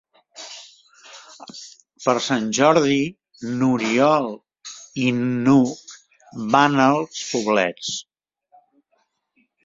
Per Sant Jordi n'Oriol i n'Hug van als Poblets.